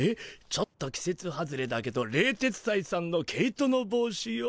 「ちょっときせつ外れだけど冷徹斎さんの毛糸の帽子よ」？